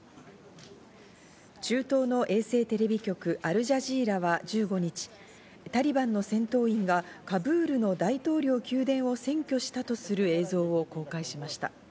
中東の衛星テレビ局、アルジャジーラは１５日、タリバンの戦闘員がカブールの大統領宮殿を占拠したとする映像を公開しました。